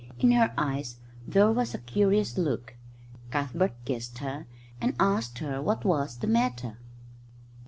In her eyes there was a curious look. Cuthbert kissed her and asked her what was the matter.